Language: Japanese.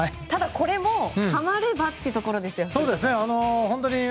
ただこれもはまればというところですよね。